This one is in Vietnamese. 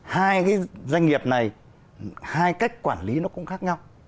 hai doanh nghiệp này hai cách quản lý nó cũng khác